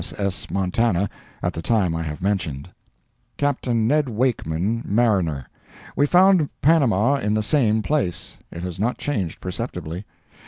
S.S. Montana at the time I have mentioned. Captain Ned Wakeman, Mariner. We found Panama in the same place. It has not changed perceptibly.